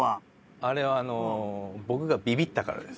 あれは僕がビビったからです。